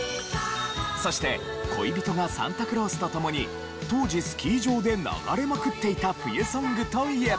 そして『恋人がサンタクロース』とともに当時スキー場で流れまくっていた冬ソングといえば。